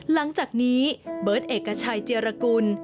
หลังจากนี้เบิร์ตเอกชัยเจรกุล